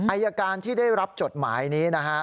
อายการที่ได้รับจดหมายนี้นะฮะ